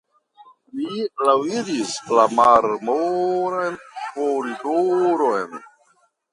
Ni laŭiris la marmoran koridoron.